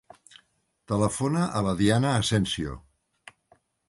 Telefona a la Diana Asensio.